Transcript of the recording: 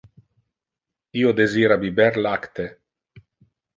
Io desira biber lacte.